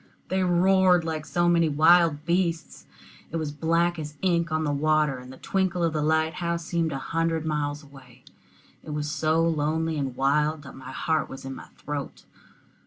They roared like so many wild beasts. It was as black as ink on the water, and the twinkle of the light house seemed a hundred miles away. It was so lonely and wild that my heart was in my throat.